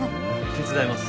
手伝います。